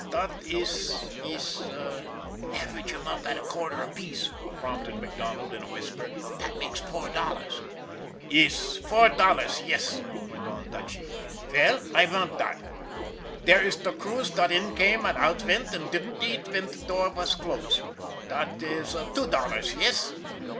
" Dot iss iss "" Average 'em up at a quarter apiece," prompted MacDonald in a whisper. " That makes four dol lars." " Iss four dollars yess," went on Dutchy. " Veil, I vant dot. Dere iss der crews dot in came und out vent und didn'd eat ven der door vas closed. Dot iss two dollars yess?